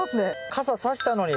傘差したのに。